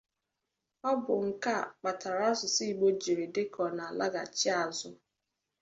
Ọ bụ nke a kpatara asụsụ Igbo jiri dị ka ọ na-alaghachi azụ."